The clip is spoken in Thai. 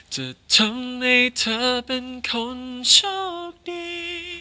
จะทำให้เธอเป็นคนโชคดี